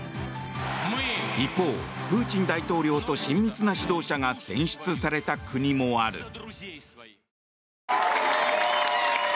一方、プーチン大統領と親密な指導者が選出された国もある。